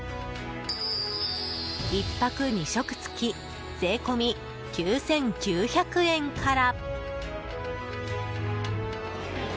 １泊２食付き税込み９９００円から。